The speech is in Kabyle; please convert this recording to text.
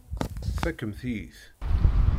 Tfakemt-iyi-t.